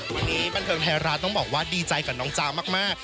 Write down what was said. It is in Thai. วันนี้บันเทิงไทยรัฐต้องบอกว่าดีใจกับน้องจ๊ะมาก